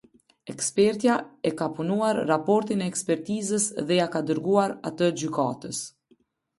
Ekspertja e ka punuar raportin e ekspertizës dhe ja ka dërguar atë gjykatës.